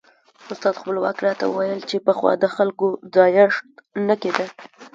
استاد خپلواک راته ویل چې پخوا د خلکو ځایښت نه کېده.